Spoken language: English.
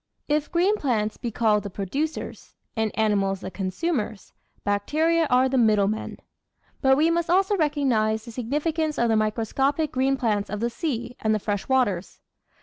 If green plants be called the "producers," and ani mals the "consumers," bacteria are the "middlemen." But we must also recognise the significance of the microscopic green plants of the sea and the freshwaters.